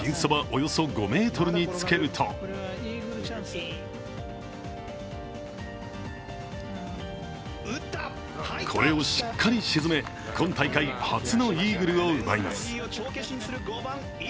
およそ５ｍにつけるとこれをしっかり沈め今大会初のイーグルを奪います。